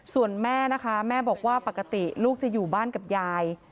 ส่วนแม่นะคะแม่บอกว่าปกติลูกจะอยู่บ้านกับยาย